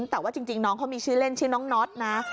แต่ว่าจริงน้องเขามีชื่อเล่นชื่อน้องน็อตนะ